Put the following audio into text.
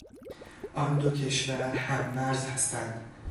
آن دو کشور هممرز هستند.